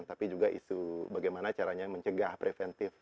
tapi juga isu bagaimana caranya mencegah preventif